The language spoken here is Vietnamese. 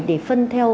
để phân theo